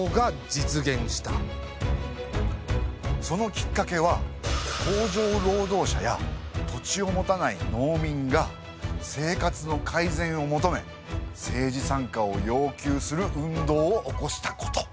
そのきっかけは工場労働者や土地を持たない農民が生活の改善を求め政治参加を要求する運動を起こしたこと。